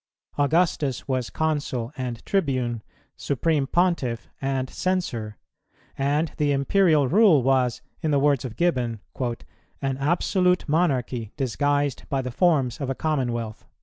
Augustus was Consul and Tribune, Supreme Pontiff and Censor, and the Imperial rule was, in the words of Gibbon, "an absolute monarchy disguised by the forms of a commonwealth."